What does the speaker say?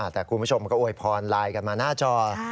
แต่คุณผู้ชมก็อวยพรไลน์กันมาหน้าจอ